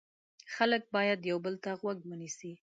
خلک باید یو بل ته غوږ ونیسي.